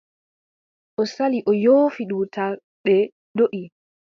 O sali o yoofi dutal, ɓe ndoʼi.